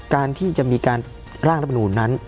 ๒การที่จะมีการร่างรับภูมินั้น